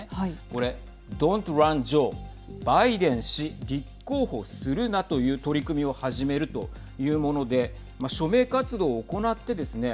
これＤｏｎ’ｔＲｕｎＪｏｅ＝バイデン氏、立候補するなという取り組みを始めるというもので署名活動を行ってですね